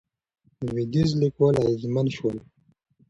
لوېدیځ لیکوال اغېزمن شول.